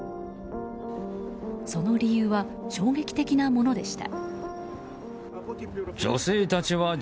その理由は、衝撃的なものでした。